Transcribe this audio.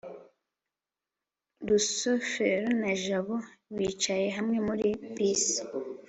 rusufero na jabo bicaye hamwe muri bisi